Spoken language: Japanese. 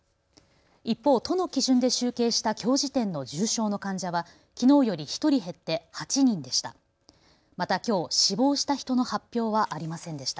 一方、都の基準で集計したきょう時点の重症の患者はきのうより１人減って８人でした。